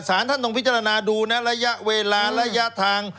สารท่านต้องพิจารณาดูนะระยะเวลาระยะทาง